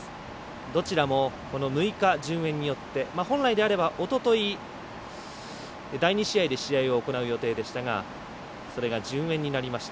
どちらもこの６日、順延によって本来であれば、おととい第２試合で試合を行う予定でしたがそれが順延になりました。